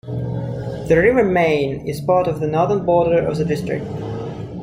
The river Main is a part of the northern border of the district.